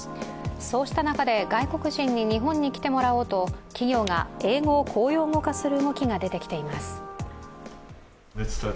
そうした中で外国人に日本に来てもらおうと企業が英語を公用語化する動きが出てきています。